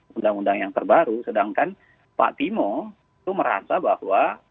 undang undang yang terbaru sedangkan pak timo itu merasa bahwa